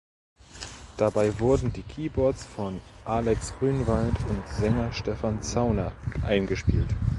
Dabei wurden die Keyboards von Alex Grünwald und Sänger Stefan Zauner eingespielt.